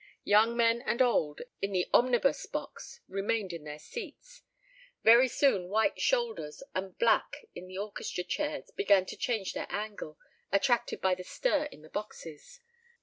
Young men and old in the omnibus box remained in their seats. Very soon white shoulders and black in the orchestra chairs began to change their angle, attracted by the stir in the boxes.